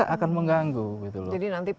akan mengganggu jadi nanti